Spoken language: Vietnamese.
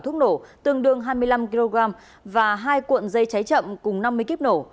thuốc nổ tương đương hai mươi năm kg và hai cuộn dây cháy chậm cùng năm mươi kíp nổ